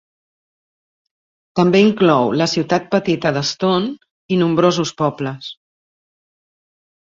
També inclou la ciutat petita d'Stone i nombrosos pobles.